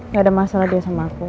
gak ada masalah dia sama aku